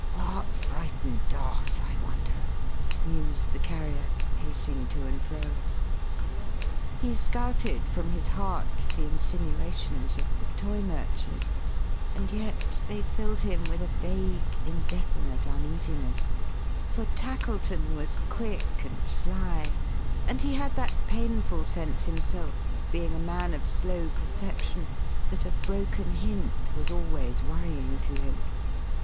What frightened Dot, I wonder!" mused the Carrier, pacing to and fro. He scouted, from his heart, the insinuations of the Toy merchant, and yet they filled him with a vague, indefinite uneasiness; for Tackleton was quick and sly; and he had that painful sense, himself, of being a man of slow perception, that a broken hint was always worrying to him.